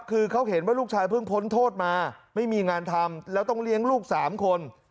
คือเขาเห็นว่าลูกชายเพิ่งพ้นโทษมาไม่มีงานทำแล้วต้องเลี้ยงลูก๓คน